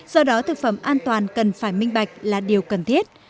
do đó thực phẩm an toàn cần phải minh bạch là điều cần thiết